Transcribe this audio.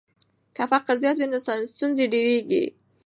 که فقر زیات وي نو ستونزې ډېریږي.